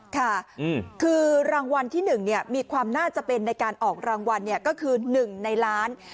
ค่ะคือรางวัลที่๑มีความน่าจะเป็นในการออกรางวัลก็คือ๑ในล้าน